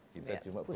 kita cuma pendukung